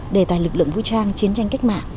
đề tài lực lượng vũ trang chiến tranh cách mạng